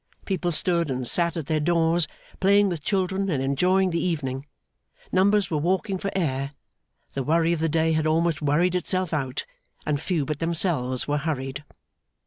People stood and sat at their doors, playing with children and enjoying the evening; numbers were walking for air; the worry of the day had almost worried itself out, and few but themselves were hurried.